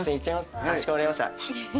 かしこまりました。